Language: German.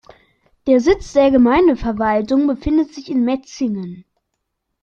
Der Sitz der Gemeindeverwaltung befindet sich in Metzingen.